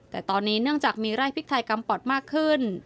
แต่ตอนนี้เนื่องจากมีไร่พริกไทยกำปอดมากขึ้น